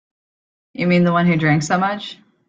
You mean the one who drank so much?